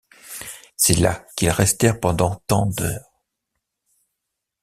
C’est là qu’ils restèrent pendant tant d’heures.